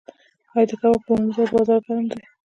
آیا د کباب پلورنځیو بازار ګرم دی؟